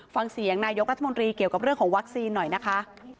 ฟังเสียงนายกรัฐมนตรีเกี่ยวกับเรื่องของวัคซีนหน่อยนะคะ